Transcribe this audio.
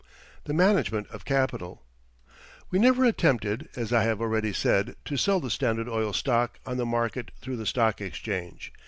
THE MANAGEMENT OF CAPITAL We never attempted, as I have already said, to sell the Standard Oil stock on the market through the Stock Exchange.